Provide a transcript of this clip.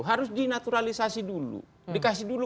harus dinaturalisasi dulu